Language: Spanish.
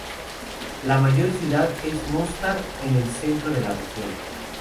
La mayor ciudad es Mostar, en el centro de la región.